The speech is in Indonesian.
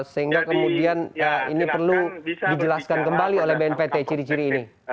sehingga kemudian ini perlu dijelaskan kembali oleh bnpt ciri ciri ini